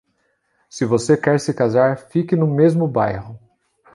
Se você quer se casar, fique no mesmo bairro.